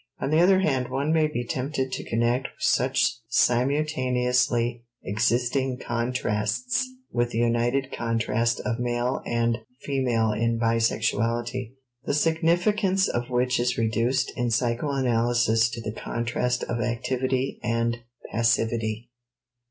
On the other hand one may be tempted to connect such simultaneously existing contrasts with the united contrast of male and female in bisexuality, the significance of which is reduced in psychoanalysis to the contrast of activity and passivity.